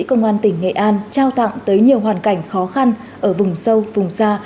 công an tỉnh nghệ an trao tặng tới nhiều hoàn cảnh khó khăn ở vùng sâu vùng xa